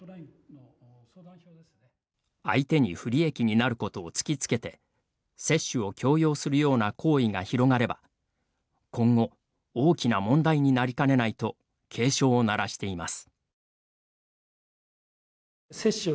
相手に不利益になることを突きつけて接種を強要するような行為が広がれば今後、大きな課題になりかねないと警鐘を鳴らしています。